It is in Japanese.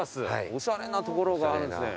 おしゃれなところがあるんですね。